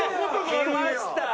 きました。